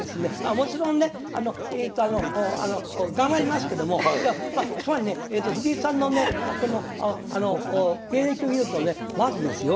もちろんねえとあの頑張りますけどもつまりね藤井さんのね経歴を見るとねまずですよ